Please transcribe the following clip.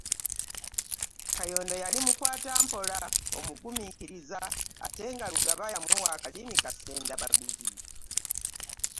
Kayondo yali mukwata mpola omugumiikiriza ate nga Lugaba yamuwa akalimi kassendabaguzi.